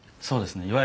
そうですね。